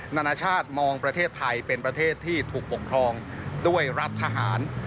นานาชาติมองประเทศไทยเป็นประเทศที่ถูกปกครองด้วยรัฐทหาร